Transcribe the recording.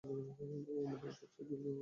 ও আমার দেখা সবচেয়ে উজ্জ্বল জোনাক পোকা।